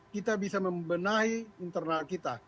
kita bisa membenahi internal kita